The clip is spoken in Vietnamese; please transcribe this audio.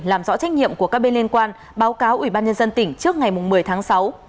làm rõ trách nhiệm của các bên liên quan báo cáo ubnd tỉnh trước ngày một mươi tháng sáu